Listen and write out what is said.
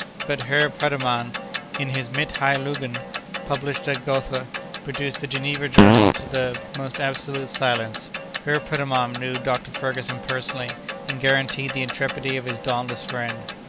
But Herr Petermann, in his Mittheilungen, published at Gotha, reduced the Geneva journal to the most absolute silence. Herr Petermann knew Dr. Ferguson personally, and guaranteed the intrepidity of his dauntless friend.